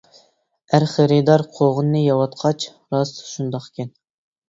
ئەر خېرىدار قوغۇننى يەۋاتقاچ :راست، شۇنداقكەن.